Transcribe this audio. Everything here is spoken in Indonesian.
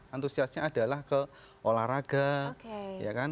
antusiasnya adalah ke olahraga ya kan